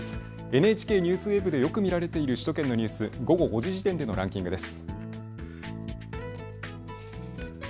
ＮＨＫＮＥＷＳＷＥＢでよく見られている首都圏のニュース午後５時時点でのランキングです。